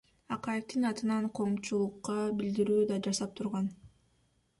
Акаевдин атынан коомчулукка билдирүү да жасап турган.